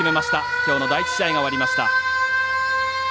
きょうの第１試合が終わりました。